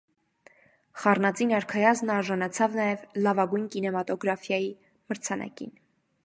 Խառնածին արքայազնը արժանացավ նաև լավագույն կինեմատոգրաֆիայի մրցանակին։